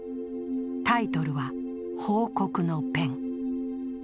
タイトルは「報国のペン」。